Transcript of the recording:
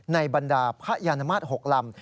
บรรดาพระยานมาตร๖ลำ